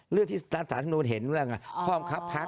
เรื่องที่สารสาธารณูนเห็นเรื่องข้อมังคับพัก